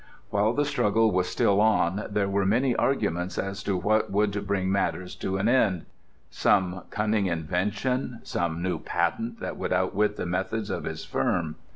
While the struggle was still on there were many arguments as to what would bring matters to an end; some cunning invention, some new patent that would outwit the methods of his firm.